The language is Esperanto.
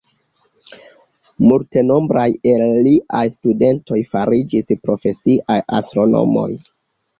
Multenombraj el liaj studentoj fariĝis profesiaj astronomoj.